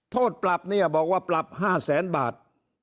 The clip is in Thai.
โทษปรับเนี่ยบอกว่าปรับ๕แสนบาท